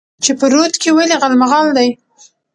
چې په رود کې ولې غالمغال دى؟